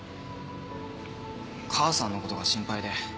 母さんのことが心配で。